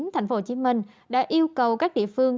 tp hcm đã yêu cầu các địa phương